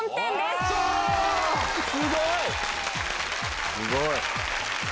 すごい。